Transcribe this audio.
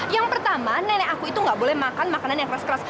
yang pertama nenek aku itu gak boleh makan makanan yang keras keras